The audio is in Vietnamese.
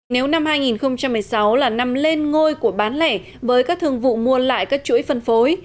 nếu năm hai nghìn một mươi sáu là năm lên ngôi của bán lẻ với các thương vụ mua lại các chuỗi phân phối